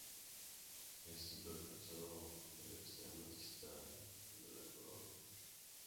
Estilos alcanzando el extremo distal de la corola.